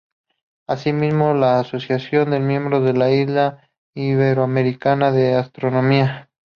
Así mismo, la asociación es miembro de la Liga Iberoamericana de Astronomía.